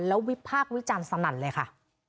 แล้ววิพากษ์วิจารณ์สนั่นเลยค่ะ